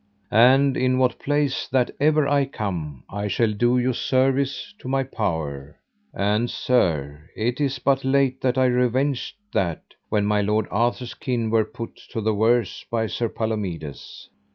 And in what place that ever I come I shall do you service to my power: and sir, it is but late that I revenged that, when my lord Arthur's kin were put to the worse by Sir Palomides.